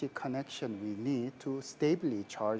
yang kita butuhkan untuk memperbaiki